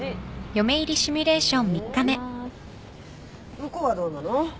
向こうはどうなの？